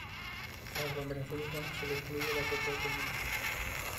La aglomeración urbana sólo incluye la propia comuna.